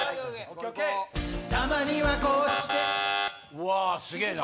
うわすげぇな！